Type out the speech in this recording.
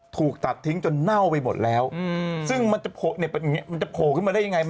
ถูกตัดทิ้งจนเ๒๐๑๕ไปหมดแล้วซึ่งมันจะโผเว้นได้ยังไง